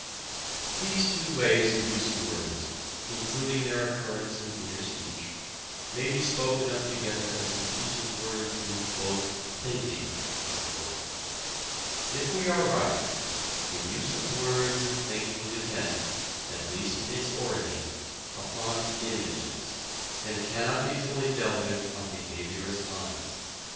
These two ways of using words, including their occurrence in inner speech, may be spoken of together as the use of words in "thinking." If we are right, the use of words in thinking depends, at least in its origin, upon images, and cannot be fully dealt with on behaviourist lines.